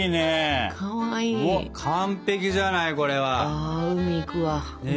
あ海行くわ海。